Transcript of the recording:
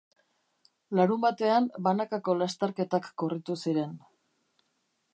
Larunbatean banakako lasterketak korritu ziren.